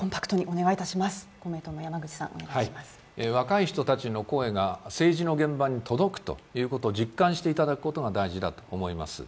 若い人たちの声が政治の現場に届くということを実感していただくことが大事だと思います。